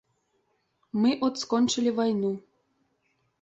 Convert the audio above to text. Мы от скончылі вайну.